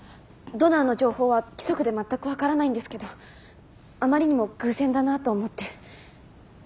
ドナーの情報は規則でまったく分からないんですけどあまりにも偶然だなと思って。